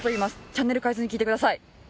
チャンネル変えずに聞いてください。